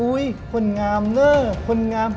อุ้ยคนงามเนอะคนงาม